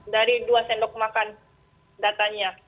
dari dua sendok makan datanya